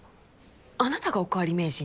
あなたがおかわり名人？